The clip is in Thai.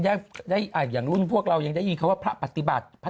อย่างรุ่นพวกเรายังได้ยินคำว่าพระปฏิบัติ